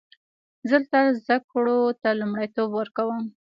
زه تل زده کړو ته لومړیتوب ورکوم